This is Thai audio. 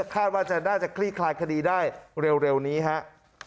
คาดว่าน่าจะคลี่คลายคดีได้เร็วนี้ครับ